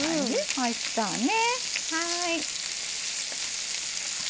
おいしそうね。